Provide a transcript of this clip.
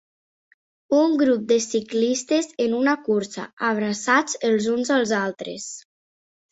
Un grup de ciclistes en una cursa abraçats els uns als altres.